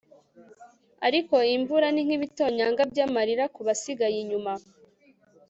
ariko imvura ni nkibitonyanga byamarira kubasigaye inyuma